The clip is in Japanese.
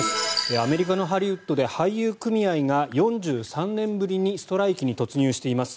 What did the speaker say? アメリカのハリウッドで俳優組合が４３年ぶりにストライキに突入しています。